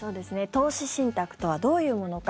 投資信託とはどういうものか。